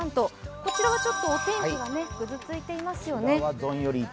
こちらはお天気がぐずついていますよね。